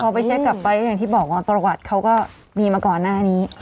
พอไปเช็คกลับไปก็อย่างที่บอกว่าประวัติเขาก็มีมาก่อนหน้านี้